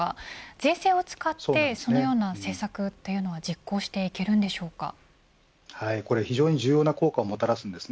税制を使ってそのような政策というのは非常に重要な効果をもたらします。